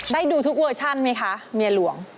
ได้ดูทุกเวอร์ชันไหมคะเมียหลวง